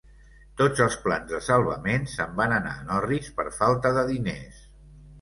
Tots els plans de salvament se'n van anar en orris per falta de diners.